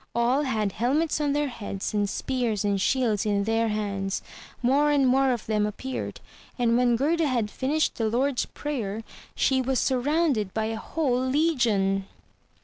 All had helmets on their heads and spears and shields in their hands; more and more of them appeared, and when Gerda had finished the Lord's Prayer, she was surrounded by a whole legion.